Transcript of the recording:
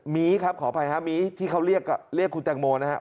มีครับขออภัยครับมีที่เขาเรียกคุณแตงโมนะครับ